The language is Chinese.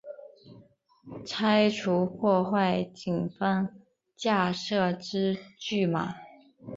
拆除破坏警方架设之拒马